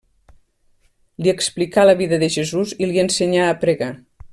Li explicà la vida de Jesús i l'ensenyà a pregar.